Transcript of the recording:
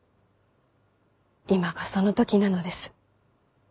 今がその時なのです。